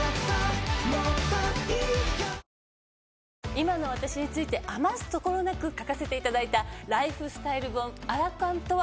今の私について余すところなく書かせていただいたライフスタイル本。